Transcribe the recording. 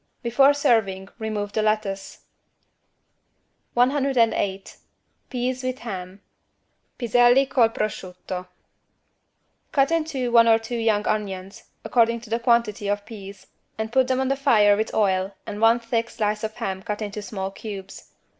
Before serving remove the lettuce. 108 PEAS WITH HAM (Piselli col prosciutto) Cut in two one or two young onions, according to the quantity of the peas and put them on the fire with oil and one thick slice of ham cut into small cubes.